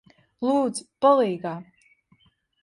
Lūdzu, palīgā!